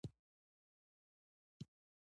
لیزر دقیقه رڼا خپروي.